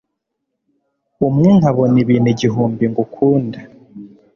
umwe nkabona ibintu igihumbi ngukunda